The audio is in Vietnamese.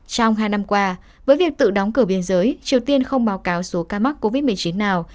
trong hai năm qua với việc tự đóng cửa biên giới triều tiên không báo cáo số ca mắc covid một mươi chín nào